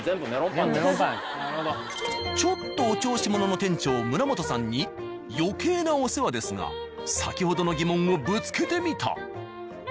ちょっとお調子者の店長村本さんに余計なお世話ですが先ほどの疑問をぶつけてみた。